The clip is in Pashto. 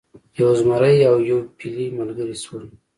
یو زمری او یو فیلی ملګري شول.